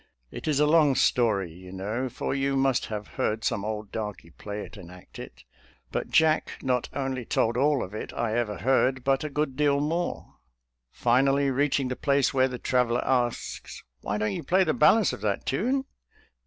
It is a long story you know, for you must have heard some old darky play and act it; but Jack not only told all of it I ever heard, but a good deal more. Finally, reaching the place where the traveler asks, "Why don't you play the balance of that tune?